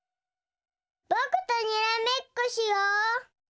ぼくとにらめっこしよう！